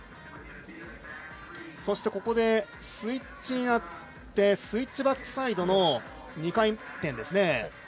そして、スイッチになってスイッチバックサイドの２回転ですね。